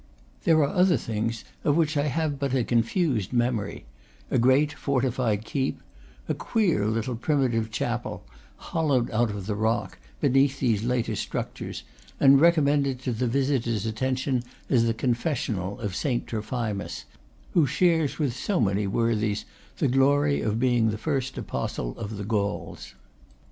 There are other things, of which I have but a con fused memory: a great fortified keep; a queer little primitive chapel, hollowed out of the rock, beneath these later structures, and recommended to the visitor's attention as the confessional of Saint Tro phimus, who shares with so many worthies the glory of being the first apostle of the Gauls.